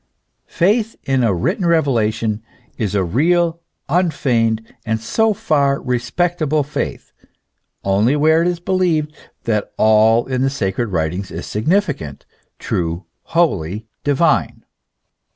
Faith in a written revelation is a real, unfeigned, and so far respectable faith, only where it is believed that all in the sacred \vritings is significant, true, holy, divine.